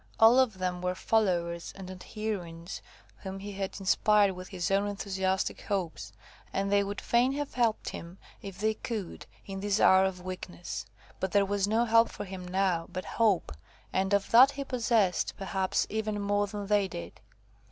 All of them were followers and adherents, whom he had inspired with his own enthusiastic hopes; and they would fain have helped him, if they could, in this hour of weakness. But there was no help for him now, but hope, and of that he possessed, perhaps, even more than they did.